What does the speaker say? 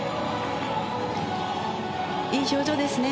いい表情ですね。